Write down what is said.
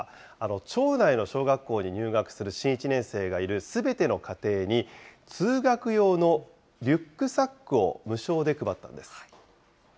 町内の小学校に入学する新１年生がいるすべての家庭に、通学用のリュックサックを無償で配ったんです。